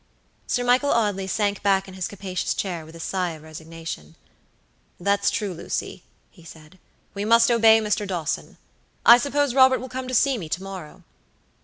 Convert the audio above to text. Sir Michael Audley sank back in his capacious chair with a sigh of resignation. "That's true, Lucy," he said; "we must obey Mr. Dawson. I suppose Robert will come to see me to morrow."